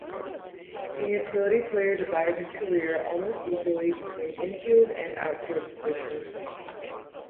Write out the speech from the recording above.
The utility player divided his career almost equally between infield and outfield positions.